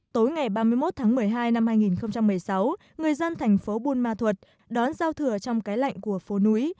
tối ngày ba mươi một tháng một mươi hai năm hai nghìn một mươi sáu người dân thành phố buôn ma thuật đón giao thừa trong cái lạnh của phố núi